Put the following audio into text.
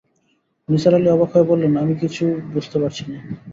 নিসার আলি অবাক হয়ে বললেন, আমি কিছু বুঝতে পারছি না।